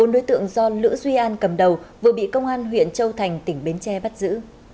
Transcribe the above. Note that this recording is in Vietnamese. bốn đối tượng do lữ duy an cầm đầu vừa bị công an huyện châu thành tỉnh bến tre bắt giữ